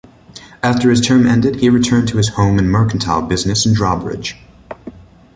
After his term ended he returned to his home and mercantile business at Drawbridge.